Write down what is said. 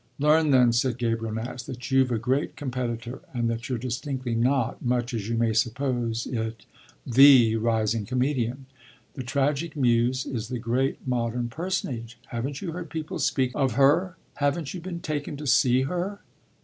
Learn then," said Gabriel Nash, "that you've a great competitor and that you're distinctly not, much as you may suppose it, the rising comedian. The Tragic Muse is the great modern personage. Haven't you heard people speak of her, haven't you been taken to see her?"